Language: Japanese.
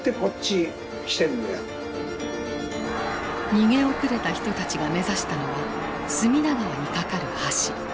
逃げ遅れた人たちが目指したのは隅田川に架かる橋。